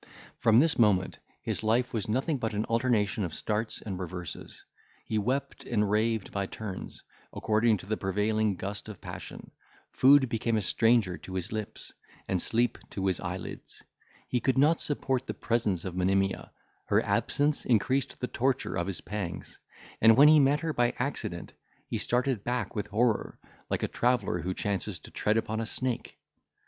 From this moment his life was nothing but an alternation of starts and reveries; he wept and raved by turns, according to the prevailing gust of passion; food became a stranger to his lips, and sleep to his eyelids; he could not support the presence of Monimia, her absence increased the torture of his pangs; and, when he met her by accident, he started back with horror, like a traveller who chances to tread upon a snake.